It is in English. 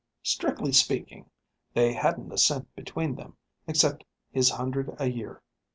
Strictly speaking, they hadn't a cent between them, except his hundred a year.